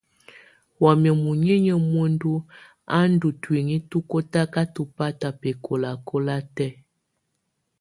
Wamɛ̀á muninyǝ́ muǝndu a ndù ntuinyii tu kɔtakatɔ bata bɛkɔlakɔla tɛ̀á.